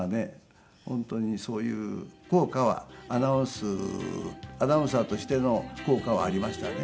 本当にそういう効果はアナウンスアナウンサーとしての効果はありましたね